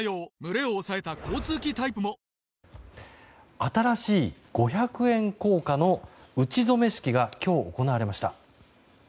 新しい五百円硬貨の打初め式が今日行われました。